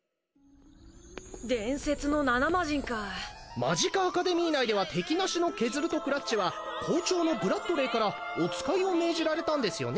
伝説の７マジンかマジカアカデミー内では敵なしのケズルとクラっちは校長のブラッドレーからお使いを命じられたんですよね？